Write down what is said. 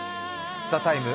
「ＴＨＥＴＩＭＥ，」